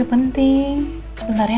itu penting sebentar ya